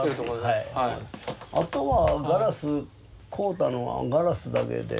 あとはガラス買うたのはガラスだけで。